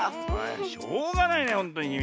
しょうがないねほんとにきみ。